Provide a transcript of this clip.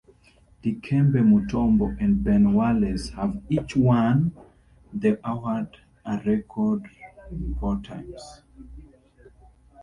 Dikembe Mutombo and Ben Wallace have each won the award a record four times.